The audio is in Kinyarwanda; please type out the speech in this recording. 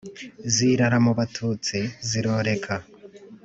Zirara mu batutsi ziroreka